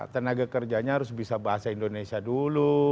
tenaga kerjanya harus bisa bahasa indonesia dulu